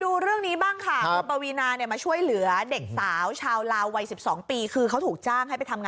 ดูเรื่องนี้บ้างค่ะเออปะวีนาเนี่ยมาช่วยเหลือเด็กสาวเช่าเรา